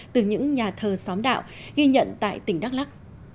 từ những nhà thờ xóm đạo ghi nhận tại tỉnh đắk lắc